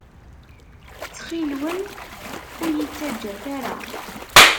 Ttxil-wen, ur iyi-ttaǧǧat ara!